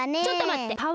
ちょっとまって！